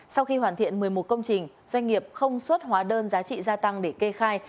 sau khi hoàn thiện một mươi một công trình doanh nghiệp không xuất hóa đơn giá trị gia tăng để kê khai